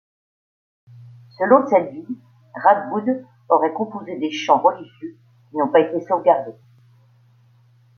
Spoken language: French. Selon cette Vie, Radboud aurait composé des chants religieux, qui n'ont pas été sauvegardés.